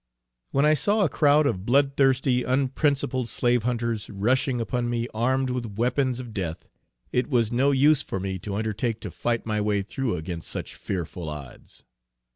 When I saw a crowd of blood thirsty, unprincipled slave hunters rushing upon me armed with weapons of death, it was no use for me to undertake to fight my way through against such fearful odds.